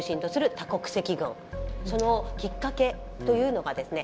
そのきっかけというのがですね